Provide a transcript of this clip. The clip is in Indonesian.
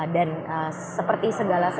dan seperti segala sosial